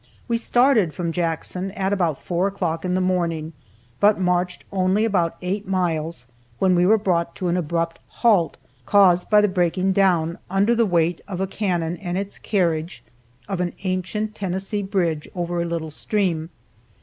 We started from Jackson at about four o'clock in the morning, but marched only about eight miles when we were brought to an abrupt halt, caused by the breaking down, under the weight of a cannon and its carriage, of an ancient Tennessee bridge over a little stream.